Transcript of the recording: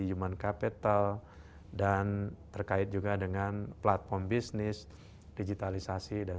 human capital dan terkait juga dengan platform bisnis digitalisasi dan